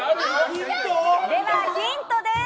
では、ヒントです。